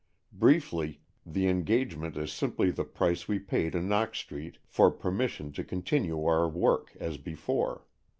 Briefly, the engagement is simply the price we pay to Knox Street for permission to continue our work as before.